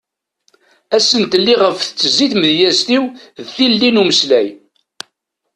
Asentel iɣef tettezzi tmedyezt-iw d tilelli n umeslay.